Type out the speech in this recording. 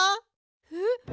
えっ？